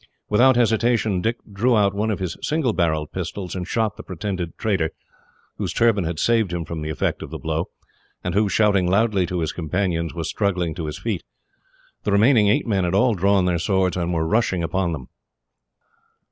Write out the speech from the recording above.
Without hesitation, Dick drew out one of his single barrelled pistols and shot the pretended trader, whose turban had saved him from the effect of the blow, and who, shouting loudly to his companions, was struggling to his feet. The remaining eight men had all drawn their swords, and were rushing upon them.